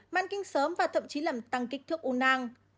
măn kinh sớm và thậm chí làm tăng kích thước u năng